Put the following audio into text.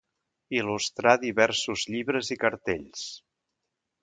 Il·lustrà diversos llibres i cartells.